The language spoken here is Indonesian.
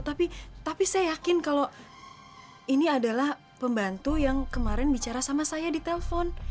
tapi tapi saya yakin kalau ini adalah pembantu yang kemarin bicara sama saya di telpon